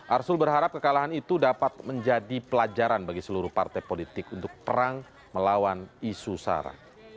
arsul berharap kekalahan itu dapat menjadi pelajaran bagi seluruh partai politik untuk perang melawan isu sara